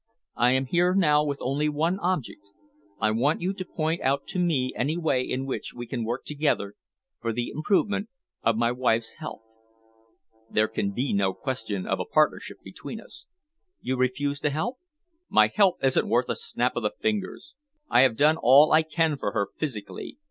I am here now with only one object: I want you to point out to me any way in which we can work together for the improvement of my wife's health." "There can be no question of a partnership between us." "You refuse to help?" "My help isn't worth a snap of the fingers. I have done all I can for her physically.